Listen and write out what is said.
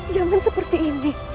jangan seperti ini